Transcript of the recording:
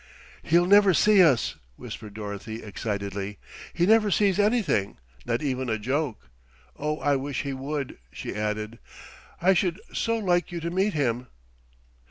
"He'll never see us," whispered Dorothy excitedly. "He never sees anything, not even a joke. Oh! I wish he would," she added. "I should so like you to meet him."